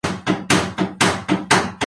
El tema se declina en varias formas.